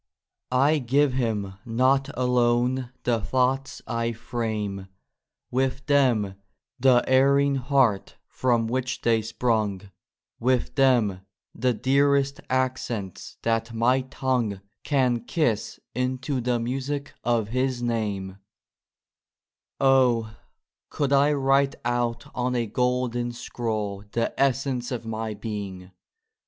I give Him not alone the thoughts I frame, With them, the erring heart from which they sprung, With them, the dearest accents that my tongue Can kiss into the music of His name 1 Oh ! could I write out on a golden scroll The essence of my being